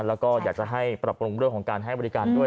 แล้วก็อยากจะให้ปรับปรุงเรื่องของการให้บริการด้วย